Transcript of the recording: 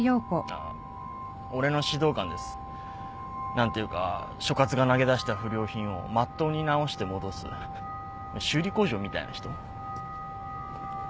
何ていうか所轄が投げ出した不良品をまっとうに直して戻す修理工場みたいな人。